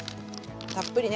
たっぷりね。